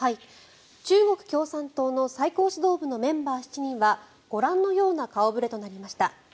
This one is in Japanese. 中国共産党の最高指導部のメンバー７人はご覧のような顔触れとなりました。